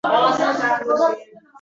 Cheksizlik meniki… u mening taxtim.